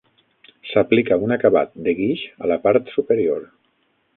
S'aplica un acabat de guix a la part superior.